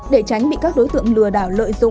để tránh bị các đối tượng lừa đảo